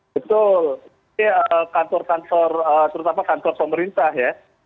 betul kantor kantor terutama kantor pemerintah ya